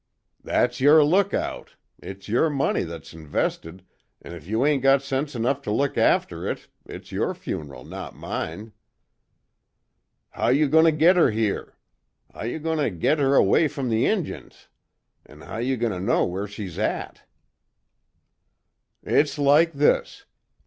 "That's your lookout. It's your money that's invested, an' if you ain't got sense enough to look after it, it's your funeral not mine." "How you goin' to git her here? How you goin' to git her away from the Injuns? An' how do you know where she's at?" "It's like this.